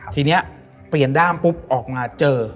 ทีนี้เปลี่ยนด้ามปุ๊บออกมาเจอ